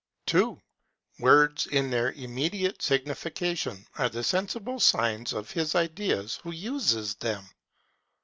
2. Words, in their immediate Signification, are the sensible Signs of his Ideas who uses them.